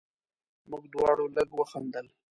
موږ دواړو لږ وخندل.